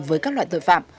với các loại tội phạm